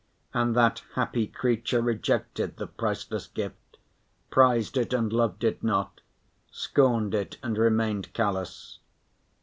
And that happy creature rejected the priceless gift, prized it and loved it not, scorned it and remained callous.